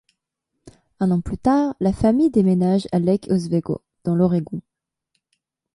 Un an plus tard, la famille déménage à Lake Oswego, dans l'Oregon.